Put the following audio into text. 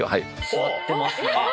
座ってますね！